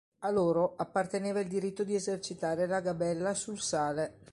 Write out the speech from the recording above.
A loro apparteneva il diritto di esercitare la gabella sul sale.